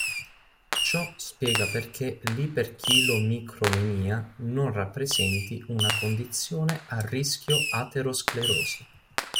Ciò spiega perché l'iperchilomicronemia non rappresenti una condizione a rischio aterosclerosi.